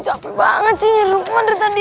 capek banget sih nyir lukman dari tadi